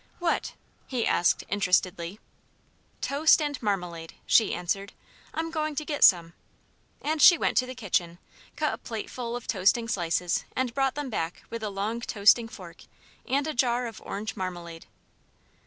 "What?" he asked, interestedly. "Toast and marmalade," she answered. "I'm going to get some." And she went to the kitchen, cut a plateful of toasting slices and brought them back with a long toasting fork and a jar of orange marmalade.